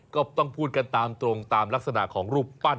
ก็ต้องพูดกันตามตรงตามลักษณะของรูปปั้น